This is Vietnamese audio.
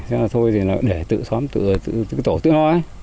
thế là thôi thì là để tự xóm tự tổ tự lo ấy